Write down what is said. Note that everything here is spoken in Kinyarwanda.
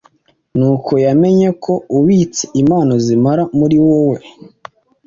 nuko yamenye ko ubitse impano z’Imana muri wowe